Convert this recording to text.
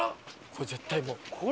これ絶対もう。